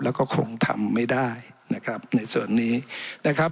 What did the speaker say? แล้วก็คงทำไม่ได้นะครับในส่วนนี้นะครับ